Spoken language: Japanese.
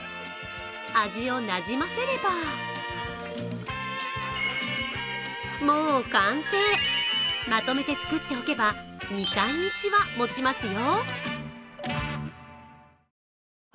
味をなじませればもう完成、まとめて作っておけば２３日は持ちますよ。